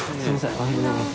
ありがとうございます。